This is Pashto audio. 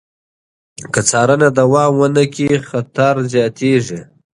که څارنه دوام ونه کړي، خطر زیاتېږي.